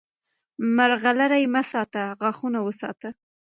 مرغلرې مه ساته، غاښونه وساته!